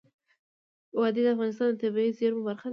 وادي د افغانستان د طبیعي زیرمو برخه ده.